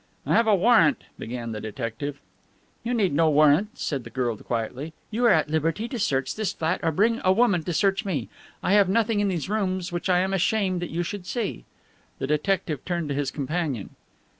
"I have a warrant " began the detective. "You need no warrant," said the girl quietly, "you are at liberty to search this flat or bring a woman to search me. I have nothing in these rooms which I am ashamed that you should see." The detective turned to his companion.